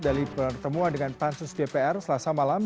dari pertemuan dengan pansus dpr selasa malam